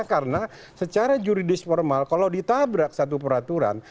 karena secara juridis formal kalau ditabrak satu peraturan